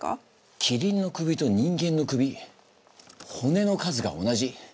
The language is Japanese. キリンの首と人間の首骨の数が同じ？